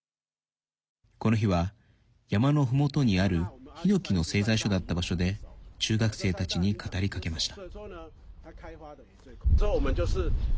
この日は、山のふもとにあるヒノキの製材所だった場所で中学生たちに語りかけました。